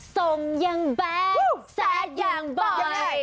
ส่งอย่างแบดแซดอย่างบ่อย